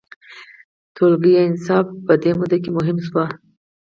ټولګي یا اصناف په دې موده کې مهم شول.